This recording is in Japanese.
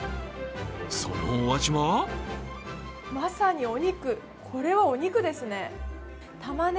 そのお味はまさにお肉、これはお肉ですね。